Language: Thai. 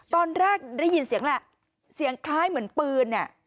ตอนแรกได้ยินเสียงแหละเสียงคล้ายเหมือนปืนเนี่ย